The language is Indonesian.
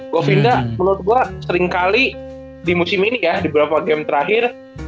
govinda menurut gue seringkali di musim ini ya di beberapa game terakhir